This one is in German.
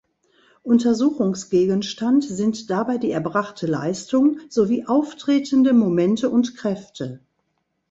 Untersuchungsgegenstand sind dabei die erbrachte Leistung, sowie auftretende Momente und Kräfte.